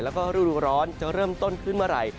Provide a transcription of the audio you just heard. แล้วก็รูดูร้อนจะเริ่มต้นขึ้นเมื่อไหร่